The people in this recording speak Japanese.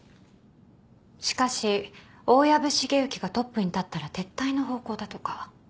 しかし大藪重之がトップに立ったら撤退の方向だとか。